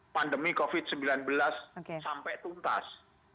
pandemi covid sembilan belas sampai tuntas